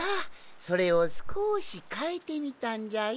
それをすこしかえてみたんじゃよ。